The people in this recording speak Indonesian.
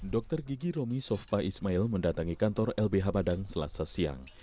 dokter gigi romi sofa ismail mendatangi kantor lbh padang selasa siang